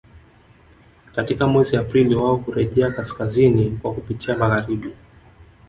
Katika mwezi Aprili wao hurejea kaskazini kwa kupitia magharibi